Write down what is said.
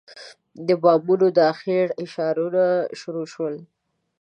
د بامونو د اخېړ اشارونه شروع شول.